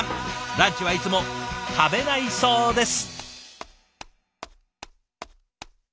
ランチはいつも食べないそうです。